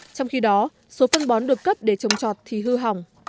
trong khi đó số phân bón được cấp để trồng trọt thì hư hỏng